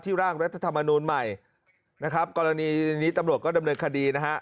ร่างรัฐธรรมนูลใหม่นะครับกรณีนี้ตำรวจก็ดำเนินคดีนะฮะ